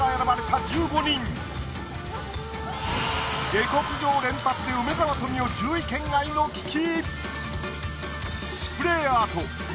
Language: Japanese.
下克上連発で梅沢富美男１０位圏外の危機！